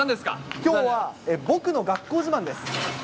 きょうは僕の学校自慢です。